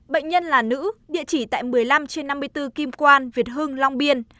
bệnh nhân là nữ địa chỉ tại một mươi năm trên năm mươi bốn kim quan việt hưng long biên